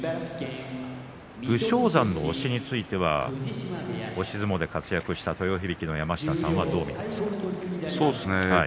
武将山の押しについては押し相撲で活躍した豊響の山科親方、いかがですか。